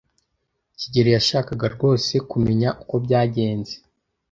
kigeli yashakaga rwose kumenya uko byagenze.